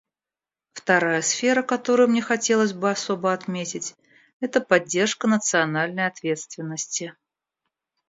Вторая сфера, которую мне хотелось бы особо отметить, — это поддержка национальной ответственности.